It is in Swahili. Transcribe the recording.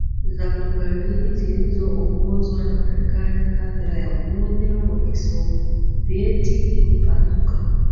za magharibi zilizoongozwa na Marekani Athira ya Umoja wa Kisovyeti ilipanuka